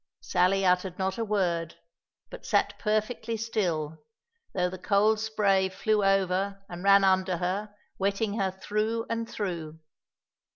Sally uttered not a word, but sat perfectly still, though the cold spray flew over and ran under her, wetting her through and through.